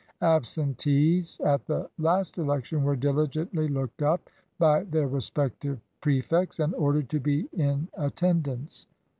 Absentees at the last election were diligently looked up by their respective prefects, and ordered to be in attendance.